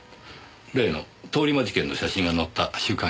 例の通り魔事件の写真が載った週刊誌です。